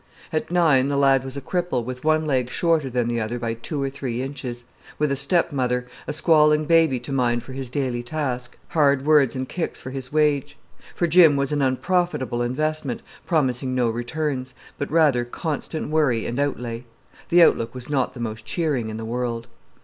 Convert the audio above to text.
At nine the lad was a cripple with one leg shorter than the other by two or three inches, with a stepmother, a squalling baby to mind for his daily task, hard words and kicks for his wage; for Jim was an unprofitable investment, promising no returns, but, rather, constant worry and outlay. The outlook was not the most cheering in the world.